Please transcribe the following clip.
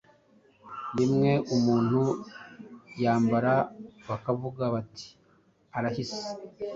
rimwe umuntu yambara bakavuga bati “arahise